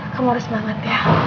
kamu harus banget ya